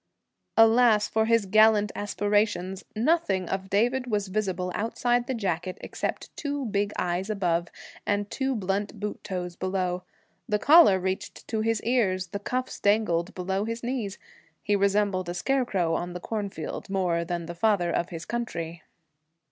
Alas for his gallant aspirations! Nothing of David was visible outside the jacket except two big eyes above and two blunt boot toes below. The collar reached to his ears; the cuffs dangled below his knees. He resembled a scarecrow in the cornfield more than the Father of his Country.